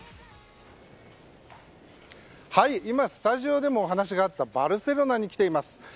今スタジオでもお話があったバルセロナに来ています。